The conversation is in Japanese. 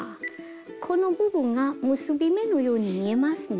この部分が結び目のように見えますね。